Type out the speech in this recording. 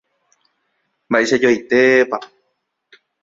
Mba'eichajoaitépa